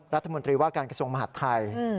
รัฐมนตรีว่าการกระทรวงมหาดไทย